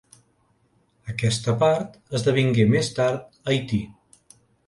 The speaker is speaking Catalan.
Aquesta part esdevingué més tard Haití.